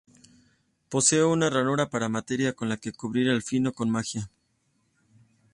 Posee una ranura para materia con la que recubrir el filo con magia.